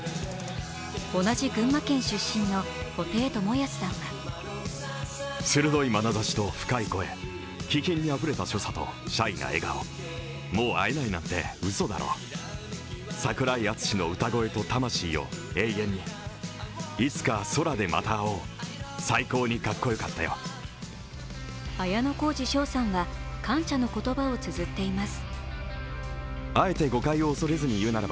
同じ群馬県出身の布袋寅泰さんは綾小路翔さんは感謝の言葉をつづっています。